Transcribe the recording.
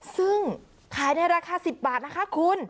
ซึ่งขายในราคา๑๐บาทนะคะคุณ